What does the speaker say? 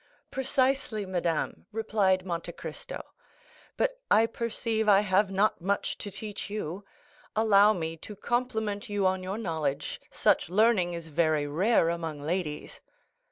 "Precisely, madame," replied Monte Cristo; "but I perceive I have not much to teach you. Allow me to compliment you on your knowledge; such learning is very rare among ladies."